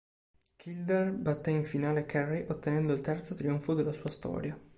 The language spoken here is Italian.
Kildare batté in finale Kerry ottenendo il terzo trionfo della sua storia.